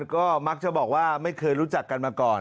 ก็มักจะบอกว่าไม่เคยรู้จักกันมาก่อน